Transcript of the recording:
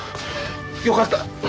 よかった。